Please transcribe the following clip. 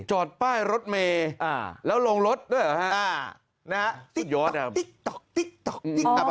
จอดป้ายรถเมย์แล้วลงรถด้วยหรอฮะ